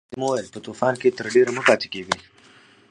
خادم وویل په طوفان کې تر ډېره مه پاتې کیږئ.